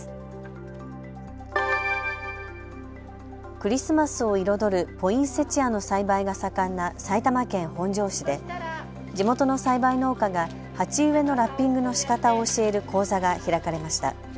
クリスマスを彩るポインセチアの栽培が盛んな埼玉県本庄市で地元の栽培農家が鉢植えのラッピングのしかたを教える講座が開かれました。